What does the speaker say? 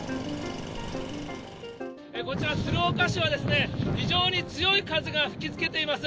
こちら、鶴岡市は、非常に強い風が吹きつけています。